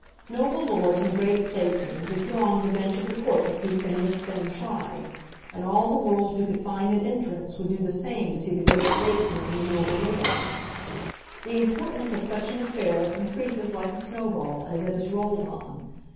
Noble lords and great statesmen would throng the bench of the court to see Phineas Finn tried, and all the world who could find an entrance would do the same to see the great statesmen and the noble lords. The importance of such an affair increases like a snowball as it is rolled on.